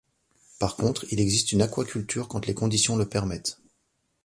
Par contre il existe une aquaculture quand les conditions le permettent.